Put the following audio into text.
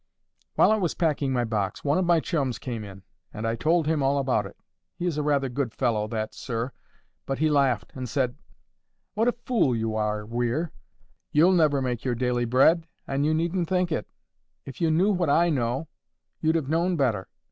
"While I was packing my box, one of my chums came in, and I told him all about it. He is rather a good fellow that, sir; but he laughed, and said, 'What a fool you are, Weir! YOU'll never make your daily bread, and you needn't think it. If you knew what I know, you'd have known better.